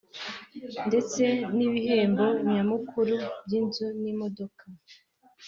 ndetse n'ibihembo nyamukuru by'inzu n'imodoka